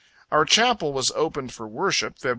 Our chapel was opened for worship Feb.